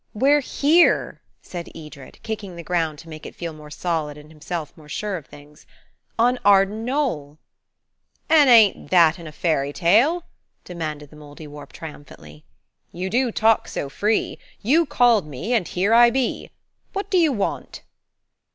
"We're here," said Edred, kicking the ground to make it feel more solid and himself more sure of things, "on Arden Knoll." "An' ain't that in a fairy tale?" demanded the Mouldiwarp triumphantly. "You do talk so free. You called me, and here I be. What do you want?"